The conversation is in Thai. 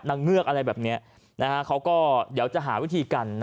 เงือกอะไรแบบนี้เขาก็เดี๋ยวจะหาวิธีกัน